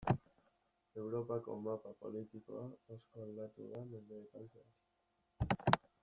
Europako mapa politikoa asko aldatu da mendeetan zehar.